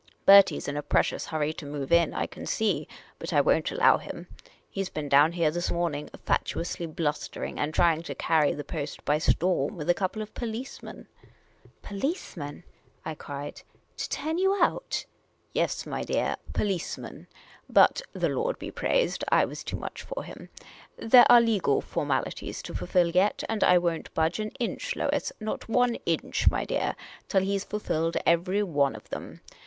Bertie 's in a precious hurry to move in, I can .see ; but I won't allow him. He 's been down here this morning, fatuou.sly blu.stering, and trying to carry the pest by storm, with a couple of policemen." " Policemen !" I cried. " To turn you out ?"" Yes, my dear, policemen; but (the Lord be praised!) I was too much for him. There are legal formalities to fulfil yet ; and I won't budge an inch, Lois, not one inch, my dear, till he 's fulfilled every one of them.